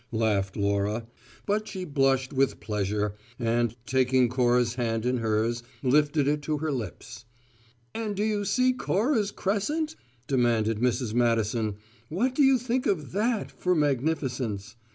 laughed Laura; but she blushed with pleasure, and taking Cora's hand in hers lifted it to her lips. "And do you see Cora's crescent?" demanded Mrs. Madison. "What do you think of that for magnificence?